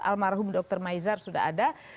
almarhum dr maizar sudah ada